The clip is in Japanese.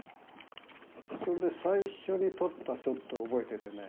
それで最初に撮ったショットを覚えててね。